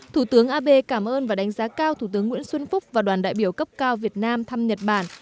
thủ tướng abe cảm ơn và đánh giá cao thủ tướng nguyễn xuân phúc và đoàn đại biểu cấp cao việt nam thăm nhật bản